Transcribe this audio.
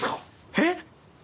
えっ！？